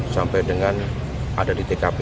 sampai dengan ada di tkp